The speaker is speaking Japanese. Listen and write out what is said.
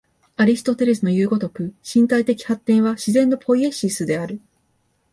アリストテレスのいう如く、身体的発展は自然のポイエシスである。